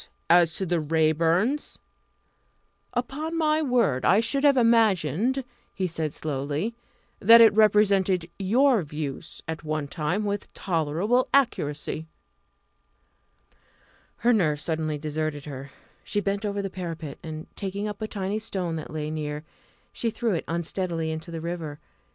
as to the Raeburns? Upon my word, I should have imagined," he said slowly, "that it represented your views at one time with tolerable accuracy." Her nerve suddenly deserted her. She bent over the parapet, and, taking up a tiny stone that lay near, she threw it unsteadily into the river.